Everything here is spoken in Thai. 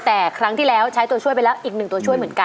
แต่ครั้งที่แล้วใช้ตัวช่วยไปแล้วอีกหนึ่งตัวช่วยเหมือนกัน